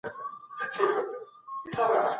د سرمایه دارۍ پیدایښت لوی بدلون و.